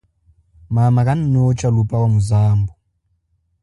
Mama kanotsha luba wa muzambu.